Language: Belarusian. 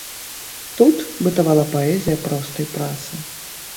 Тут бытавала паэзія простай працы.